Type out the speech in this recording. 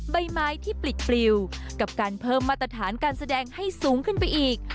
ใบไม้ที่ปลิดปลิวกับการเพิ่มมาตรฐานการแสดงให้สูงขึ้นไปอีก